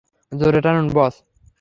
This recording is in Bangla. জোরে টানুন বস!